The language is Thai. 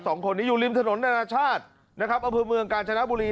สองคนนี้อยู่ริมถนนนานาชาตินะครับอำเภอเมืองกาญจนบุรี